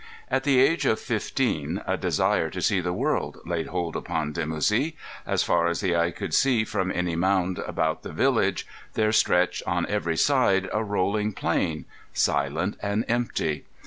At the age of fifteen a desire to see the world laid hold upon Dimoussi. As far as the eye could see from any mound about the village, there stretched on every side a rolling plain, silent and empty.